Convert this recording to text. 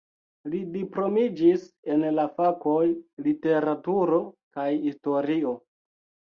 Li diplomiĝis en la fakoj literaturo kaj historio.